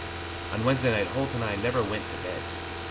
On Wednesday night Holt and I never went to bed.